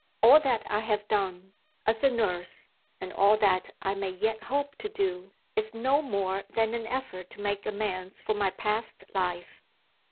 All that I have done, as a nurse, and all that I may yet hope to do, is no more than an effort to make amends for my past life.